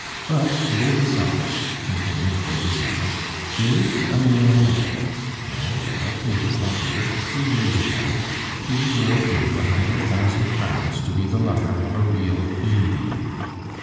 But Beauvisage his name is Beauvisage is a millionaire, and, like me, my dear, three years ago, he will give a hundred thousand crowns to be the lover of a real lady.